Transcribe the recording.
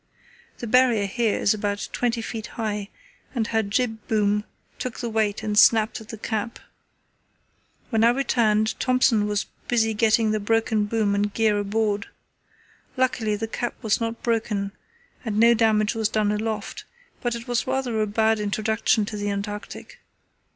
The Barrier here is about twenty feet high, and her jib boom took the weight and snapped at the cap. When I returned Thompson was busy getting the broken boom and gear aboard. Luckily the cap was not broken and no damage was done aloft, but it was rather a bad introduction to the Antarctic.